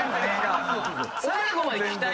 最後まで聞きたいよ。